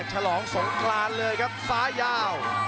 ฉลองสงครานเลยครับซ้ายยาว